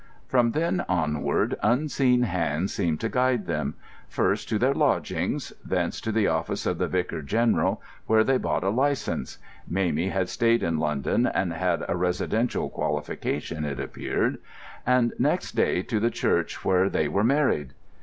From then onward unseen hands seemed to guide them; first to their lodgings, thence to the office of the Vicar General, where they bought a licence—Mamie had stayed in London, and had a residential qualification, it appeared—and next day to the church where they were married.